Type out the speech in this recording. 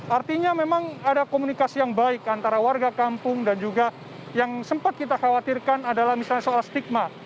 artinya memang ada komunikasi yang baik antara warga kampung dan juga yang sempat kita khawatirkan adalah misalnya soal stigma